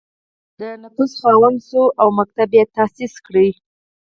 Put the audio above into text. د نفوذ خاوند شو او ښوونځي یې تأسیس کړل.